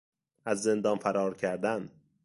از زندان فرار کردن